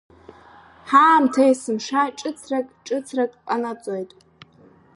Ҳаамҭа есымша ҿыцрак-ҿыцрак ҟанаҵоит.